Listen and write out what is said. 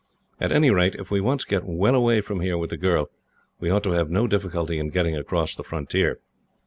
At any rate, if we once get well away from here with the girl, we ought to have no difficulty in getting across the frontier.